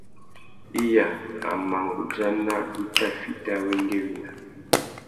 Iya a mà nʼgudzana i tà fiti awéngüéwina.